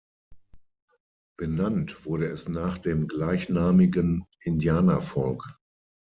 Benannt wurde es nach dem gleichnamigen Indianervolk.